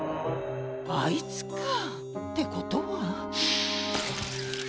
あいつか。ってことは。